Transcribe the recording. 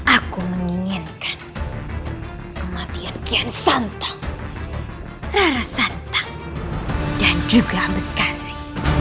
aku menginginkan kematian kian santang rara santang dan juga ambekasi